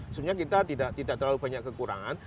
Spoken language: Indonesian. sebenarnya kita tidak terlalu banyak kekurangan